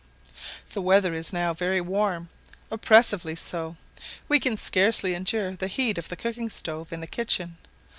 The weather is now very warm oppressively so. We can scarcely endure the heat of the cooking stove in the kitchen.